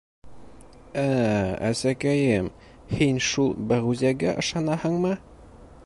— Эә, әсәкәйем, һин шул Бәғүзәгә ышанаһыңмы?